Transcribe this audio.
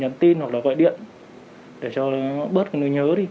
nhắn tin hoặc là gọi điện để cho bớt cái nơi nhớ đi